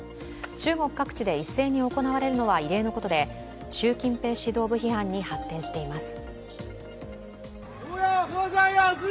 中国各地で一斉に行われるのは異例のことで習近平指導部批判に発展しています。